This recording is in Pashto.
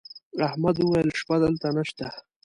احمد وويل: شپه دلته نشته.